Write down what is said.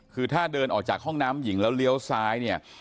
คือถ้าเดินออกจากห้องน้ำหญิงแล้วเลี้ยวซ้ายเนี่ย